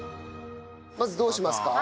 まずどうしますか？